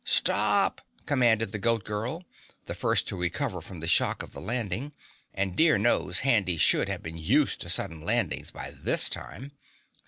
"STOP!" commanded the Goat Girl, the first to recover from the shock of the landing, and dear knows Handy should have been used to sudden landings by this time.